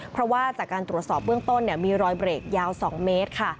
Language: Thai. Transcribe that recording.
เพราะว่าจากการตรวจสอบเบื้องต้นมีรอยเบรกยาว๒เมตรค่ะ